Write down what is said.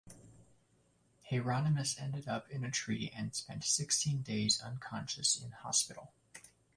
Hieronymus ended up in a tree and spent sixteen days unconscious in hospital.